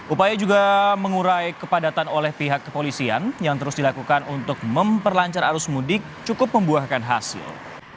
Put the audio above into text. upaya juga mengurai kepadatan oleh pihak kepolisian yang terus dilakukan untuk memperlancar arus mudik cukup membuahkan hasil